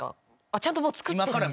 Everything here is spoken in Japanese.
ちゃんともう作ってるんだ。